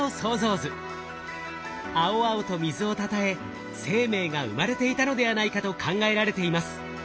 青々と水をたたえ生命が生まれていたのではないかと考えられています。